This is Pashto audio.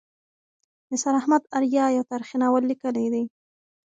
نثار احمد آریا یو تاریخي ناول لیکلی دی.